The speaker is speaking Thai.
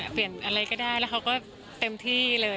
เปลี่ยนอะไรก็ได้แล้วเขาก็เต็มที่เลย